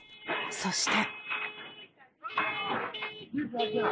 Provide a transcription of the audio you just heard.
そして。